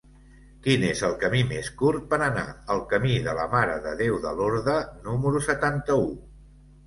Quin és el camí més curt per anar al camí de la Mare de Déu de Lorda número setanta-u?